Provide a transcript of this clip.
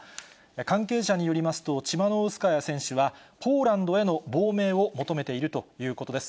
関係者によりますと、チマノウスカヤ選手は、ポーランドへの亡命を求めているということです。